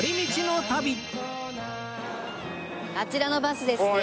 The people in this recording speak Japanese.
あちらのバスですね。